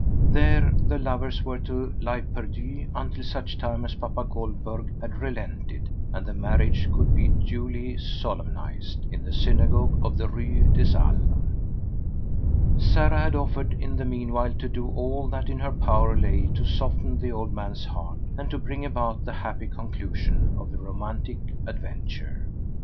There the lovers were to lie perdu until such time as papa Goldberg had relented and the marriage could be duly solemnized in the synagogue of the Rue des Halles. Sarah had offered in the meanwhile to do all that in her power lay to soften the old man's heart and to bring about the happy conclusion of the romantic adventure.